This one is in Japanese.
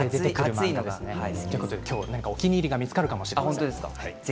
今日はお気に入りが見つかるかもしれません。